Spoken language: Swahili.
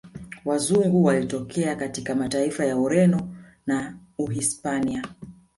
Wazungu walitokea katika mataifa ya Ureno na uhispania